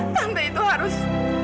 tante itu harus